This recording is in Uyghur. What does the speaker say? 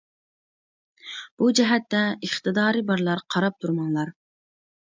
بۇ جەھەتتە ئىقتىدارى بارلار قاراپ تۇرماڭلار!